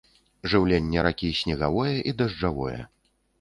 Жыўленне ракі снегавое і дажджавое.